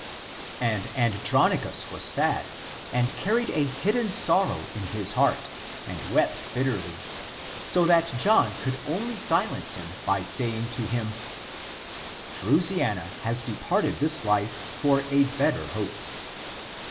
And Andronicus was sad, and carried a hid den sorrow in his heart, and wept bitterly, so that John could only silence him by saying to him, " Drusiana has departed this life for a better hope."